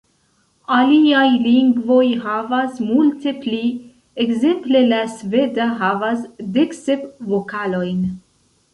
Aliaj lingvoj havas multe pli, ekzemple la sveda havas dek sep vokalojn.